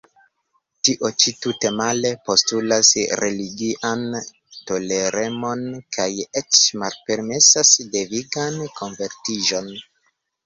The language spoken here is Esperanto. Tio ĉi, tute male, postulas religian toleremon kaj eĉ malpermesas devigan konvertiĝon.